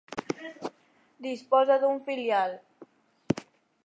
Disposa d'un filial.